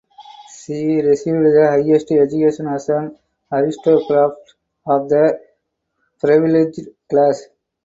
She received the highest education as an aristocrat of the privileged class.